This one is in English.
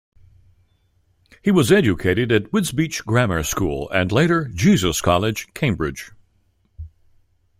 He was educated at Wisbech Grammar School and later Jesus College, Cambridge.